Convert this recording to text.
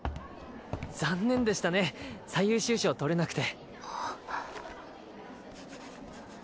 残念でしたね最優秀賞とれなくて。